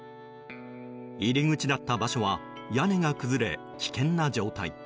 入り口だった場所は屋根が崩れ危険な状態。